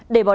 để bỏ đáng